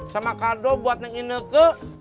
sama kado buat nengineke